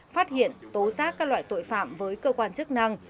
phát hiện tố xác các loại tội phạm với cơ quan chức năng